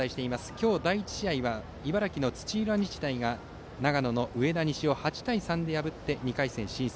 今日、第１試合は茨城の土浦日大が長野の上田西を８対３で破って２回戦進出。